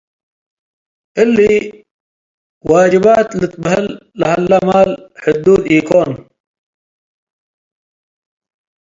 እሊ ዋጅባት ልትበሀል ለሀለ ማል፡ ሕዱድ ኢኮን ።